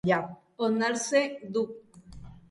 Onartzen dut.